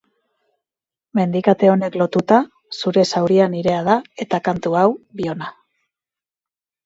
Mendikate honek lotuta, zure zauria nirea da eta kantu hau biona.